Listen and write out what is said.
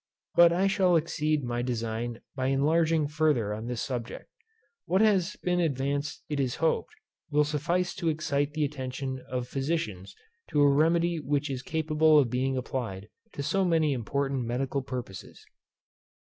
But I shall exceed my design by enlarging further on this subject. What has been advanced it is hoped, will suffice to excite the attention of physicians to a remedy which is capable of being applied to so many important medicinal purposes.